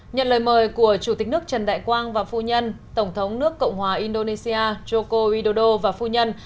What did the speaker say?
nhận lời mời của chủ tịch nước trần đại quang và phu nhân tổng thống nước cộng hòa indonesia joko widodo và phu nhân